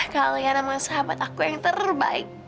kalian emang sahabat aku yang terbaik